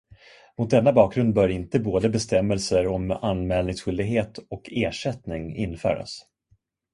Mot denna bakgrund bör inte både bestämmelser om anmälningsskyldighet och ersättning införas.